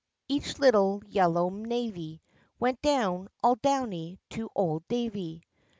each little yellow navy Went down all downy to old Davy!